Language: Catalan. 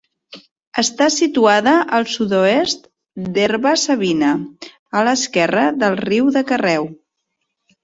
Està situada al sud-oest d'Herba-savina, a l'esquerra del riu de Carreu.